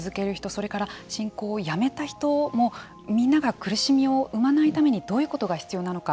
それから信仰をやめた人も、みんなが苦しみを生まないためにどういうことが必要なのか。